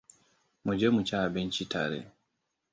Muje mu ci abinci tare.